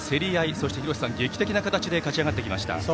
そして劇的な形で勝ち上がってきました。